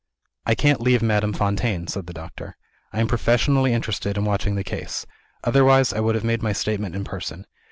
"I can't leave Madame Fontaine," said the doctor; "I am professionally interested in watching the case. Otherwise, I would have made my statement in person.